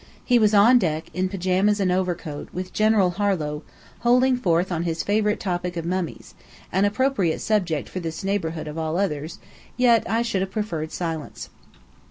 He was on deck, in pyjamas and overcoat, with General Harlow, holding forth on his favourite topic of mummies an appropriate subject for this neighbourhood of all others; yet, I should have preferred silence.